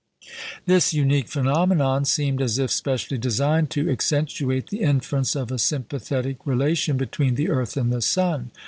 " This unique phenomenon seemed as if specially designed to accentuate the inference of a sympathetic relation between the earth and the sun.